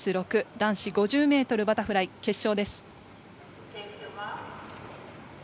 男子５０ｍバタフライ決勝。